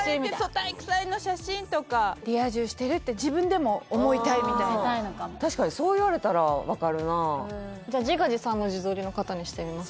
そう体育祭の写真とかリア充してるって自分でも思いたいみたいな確かにそう言われたら分かるなあじゃあ自画自賛の自撮りの方にしてみます？